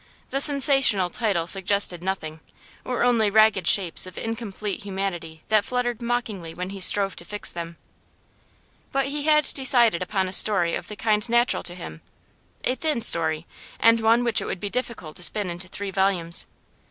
The sensational title suggested nothing, or only ragged shapes of incomplete humanity that fluttered mockingly when he strove to fix them. But he had decided upon a story of the kind natural to him; a 'thin' story, and one which it would be difficult to spin into three volumes.